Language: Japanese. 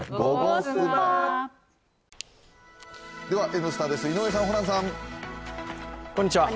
「Ｎスタ」です、井上さん、ホランさん。